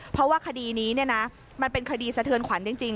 เพราะว่าคดีนี้มันเป็นคดีสะเทือนขวัญจริง